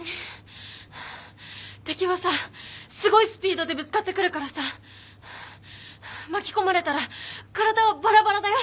敵はさすごいスピードでぶつかってくるからさ巻き込まれたら体はばらばらだよ。